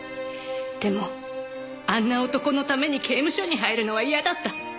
でもあんな男のために刑務所に入るのは嫌だった。